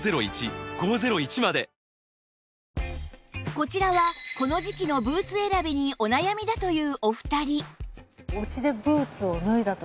こちらはこの時期のブーツ選びにお悩みだというお二人